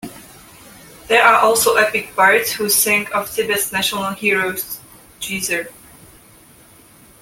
There are also epic bards who sing of Tibet's national hero Gesar.